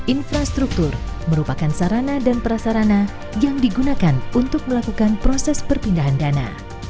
infrastruktur merupakan sarana dan prasarana yang digunakan untuk melakukan proses perpindahan dana